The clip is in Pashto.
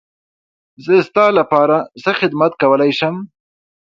زه ستا لپاره څه خدمت کولی شم.